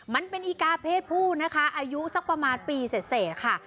มันเป็นอีกาเพศผู้นะคะอายุสักประมาณปีเสร็จค่ะ